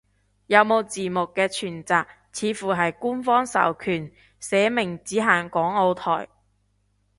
有冇字幕嘅全集，似乎係官方授權，寫明只限港澳台